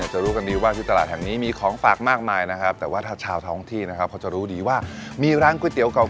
จะรู้กันดีว่าที่ตลาดแห่งนี้มีของฝากมากมายนะครับแต่ว่าถ้าชาวท้องที่นะครับเขาจะรู้ดีว่ามีร้านก๋วยเตี๋ยวเก่า